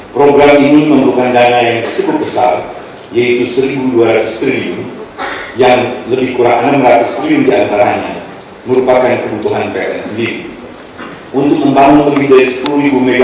program ini memerlukan dana yang cukup besar yaitu satu dua ratus triliun yang lebih kurang enam ratus triliun diantaranya merupakan kebutuhan pln sendiri